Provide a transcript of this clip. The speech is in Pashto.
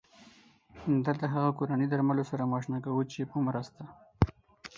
دلته هغه کورني درملو سره مو اشنا کوو چې په مرسته